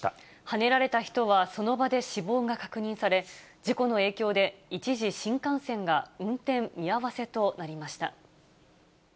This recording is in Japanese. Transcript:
はねられた人はその場で死亡が確認され、事故の影響で一時新幹線が運転見合わせとなりました。